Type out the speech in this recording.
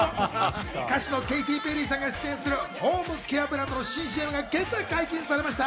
歌手のケイティ・ペリーさんが出演するホームケアブランドの新ＣＭが今朝、解禁されました。